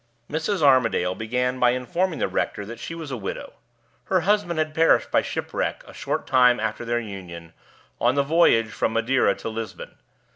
Mrs. Armadale began by informing the rector that she was a widow. Her husband had perished by shipwreck a short time after their union, on the voyage from Madeira to Lisbon.